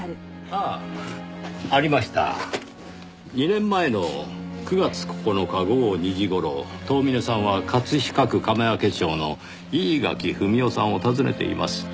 ２年前の９月９日午後２時頃遠峰さんは飾区亀明町の飯垣文雄さんを訪ねています。